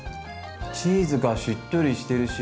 チーズがしっとりしてるし。